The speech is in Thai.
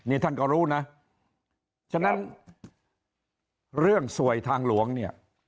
นี่ท่านก็รู้นะฉะนั้นเรื่องสวยทางหลวงเนี่ย